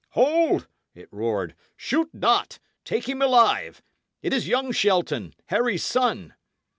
"Hold!" it roared. "Shoot not! Take him alive! It is young Shelton Harry's son."